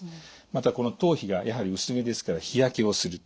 またこの頭皮がやはり薄毛ですから日焼けをする。